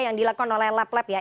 yang dilakukan oleh lab lab ya